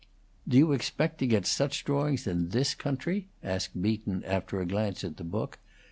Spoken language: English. "Do you expect to get such drawings in this country?" asked Beaton, after a glance at the book.